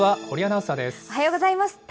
おはようございます。